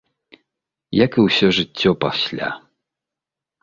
Як і ўсё жыццё пасля.